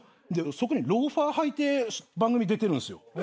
でそこにローファー履いて番組出てるんすよ。